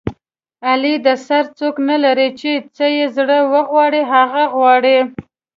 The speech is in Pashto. علي د سر څوک نه لري چې څه یې زړه و غواړي هغه غواړي.